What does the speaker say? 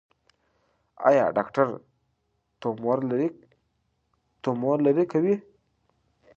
ایا ډاکټر تومور لرې کوي؟